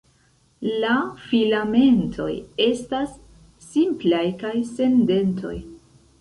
La filamentoj estas simplaj kaj sen dentoj.